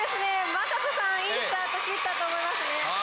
魔裟斗さんいいスタート切ったと思いますね